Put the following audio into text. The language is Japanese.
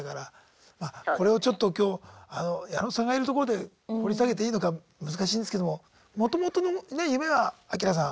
これをちょっと今日矢野さんがいるところで掘り下げていいのか難しいんですけどももともとのね夢はアキラさん。